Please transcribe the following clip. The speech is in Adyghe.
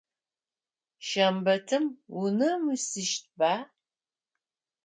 Шэмбэтым унэм уисыщтыба?